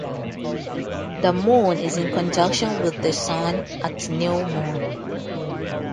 The Moon is in conjunction with the Sun at New Moon.